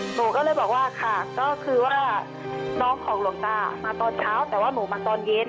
หนูก็เลยบอกว่าค่ะก็คือว่าน้องของหลวงตามาตอนเช้าแต่ว่าหนูมาตอนเย็น